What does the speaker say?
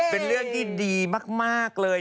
เป็นเรื่องที่ดีมากเลย